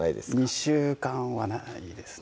２週間はないですね